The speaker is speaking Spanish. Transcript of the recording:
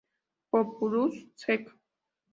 Populus sect.